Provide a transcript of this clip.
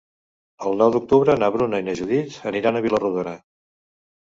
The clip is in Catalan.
El nou d'octubre na Bruna i na Judit aniran a Vila-rodona.